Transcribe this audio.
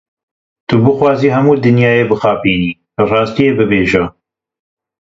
Tu bixwazî hemû dinyayê bixapînî, rastiyê bibêje.